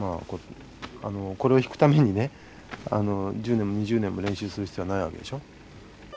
これを弾くためにね１０年も２０年も練習する必要はないわけでしょ。